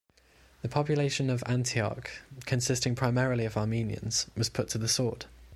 The population of Antioch, consisting primarily of Armenians, was put to the sword.